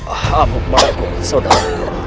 amuk marugul saudaraku